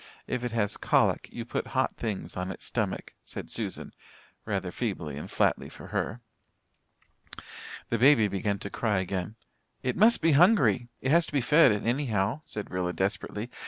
If it has colic, you put hot things on its stomach," said Susan, rather feebly and flatly for her. The baby began to cry again. "It must be hungry it has to be fed anyhow," said Rilla desperately.